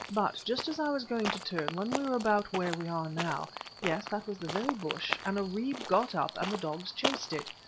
But just as I was going to turn, when we were about where we are now—yes, that was the very bush—an oribé got up, and the dogs chased it.